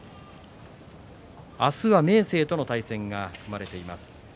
明日は明生との対戦が組まれています。